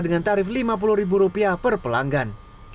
dengan harga sekitar rp lima puluh per pelanggan